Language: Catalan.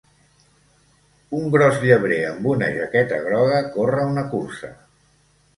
Un gros llebrer amb una jaqueta groga corre una cursa